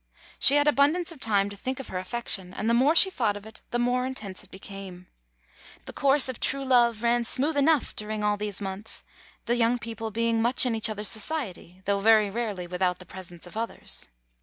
She had abundance of time to think of her affection, and the more she thought of it, the more intense it became. The course of true love ran smooth enovigh during all these months, the young people being much in each other's society, though very rarely without the presence of others.